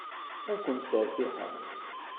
Ad ken-sseṛtiḥeɣ.